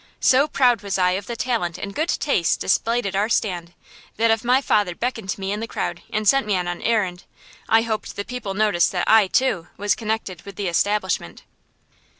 So proud was I of the talent and good taste displayed at our stand that if my father beckoned to me in the crowd and sent me on an errand, I hoped the people noticed that I, too, was connected with the establishment.